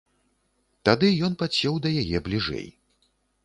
Тады ён падсеў да яе бліжэй.